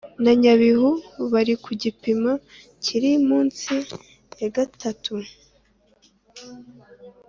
na Nyabihu bari ku gipimo kiri munsi ya gatatu